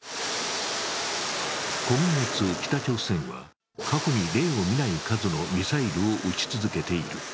今月、北朝鮮は過去に例を見ない数のミサイルを撃ち続けている。